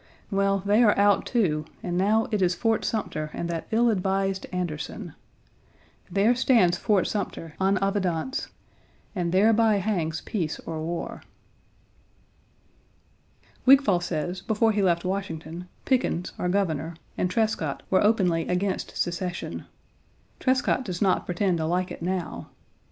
Well, they are out, too, and now it is Fort Sumter and that ill advised Anderson. There stands Fort Sumter, en evidence, and thereby hangs peace or war. Wigfall 1 says before he left Washington, Pickens, our Governor, and Trescott were openly against secession; Trescott does not pretend to like it now.